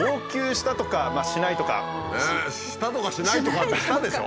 したとかしないとかってしたでしょ。